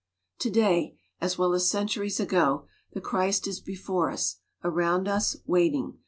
To day as well as centuries ago the Christ is before us, around us, waiting.